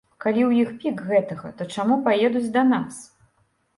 Калі ў іх пік гэтага, то чаму паедуць да нас?